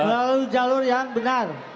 lalu jalur yang benar